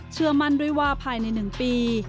เชื่อมั่นด้วยว่าภายใน๑ปี